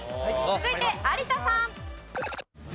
続いて有田さん。